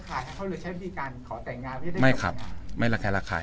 สัญลหรือว่าคุณป่าเค้ารักไขระคลาย